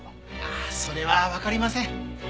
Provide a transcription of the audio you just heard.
あそれはわかりません。